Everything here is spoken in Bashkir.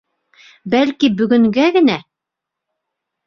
Бәлки, бөгөнгә генә...